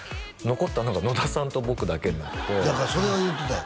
残ったのが野田さんと僕だけになってだからそれを言うてたよ